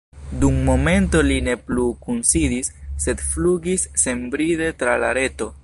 Dum momento li ne plu kunsidis, sed flugis senbride tra la reto.